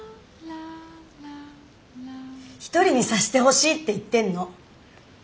一人にさせてほしいって言ってんの！